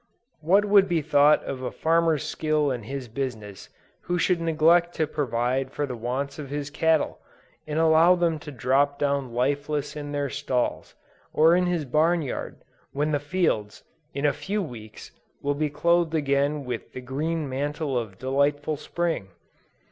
What would be thought of a farmer's skill in his business, who should neglect to provide for the wants of his cattle, and allow them to drop down lifeless in their stalls, or in his barn yard, when the fields, in a few weeks, will be clothed again with the green mantle of delightful Spring!